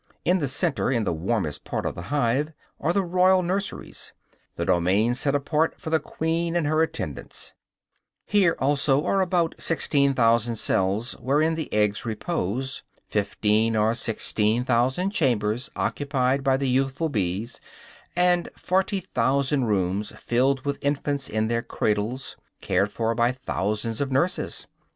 In the center, in the warmest part of the hive, are the royal nurseries, the domain set apart for the queen and her attendants; here also are about 16,000 cells wherein the eggs repose, 15 or 16,000 chambers occupied by the youthful bees, and 40,000 rooms filled with infants in their cradles, cared for by thousands of nurses.